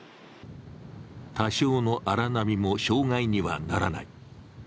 多少の荒波も障害にはならない。